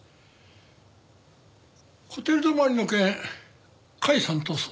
ホテル泊まりの件甲斐さんと相談したのよ。